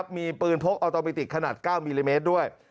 มีปืนพกออโตมิติกขนาด๙มิลลิเมตรด้วย